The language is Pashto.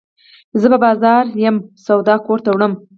زه په بازار کي یم، سودا کور ته وړم.